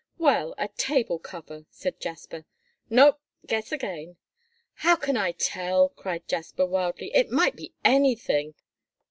"Well, a table cover," said Jasper. "No, guess again." "How can I tell?" cried Jasper, wildly. "It might be anything."